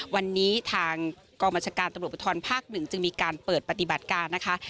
วันนี้ทางกองมัชการตรวจประท้อนภาคหนึ่งจึงมีการเปิดปฏิบัติการนะคะ